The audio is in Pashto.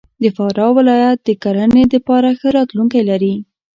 د فراه ولایت د کرهنې دپاره ښه راتلونکی لري.